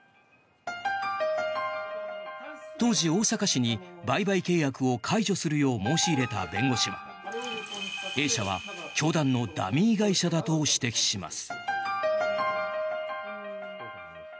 当時、大阪市に売買契約を解除するよう申し入れた弁護士はＡ社は教団のダミー会社だと指摘します。